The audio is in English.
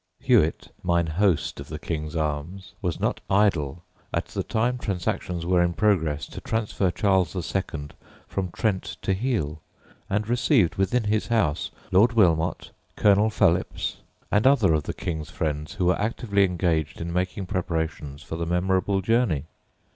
Hewitt, mine host of the "King's Arms," was not idle at the time transactions were in progress to transfer Charles II. from Trent to Heale, and received within his house Lord Wilmot, Colonel Phelips, and other of the King's friends who were actively engaged in making preparations for the memorable journey.